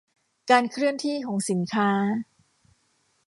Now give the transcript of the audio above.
การเคลื่อนที่ของสินค้า